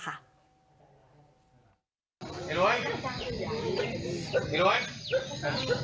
พอหลังจากเกิดเหตุแล้วเจ้าหน้าที่ต้องไปพยายามเกลี้ยกล่อม